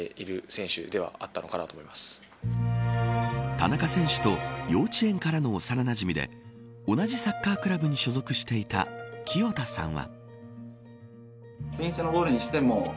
田中選手と幼稚園からの幼なじみで同じサッカークラブに所属していた清田さんは。